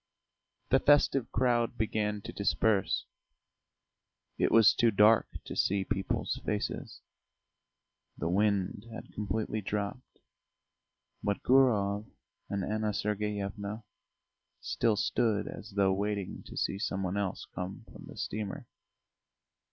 The festive crowd began to disperse; it was too dark to see people's faces. The wind had completely dropped, but Gurov and Anna Sergeyevna still stood as though waiting to see some one else come from the steamer.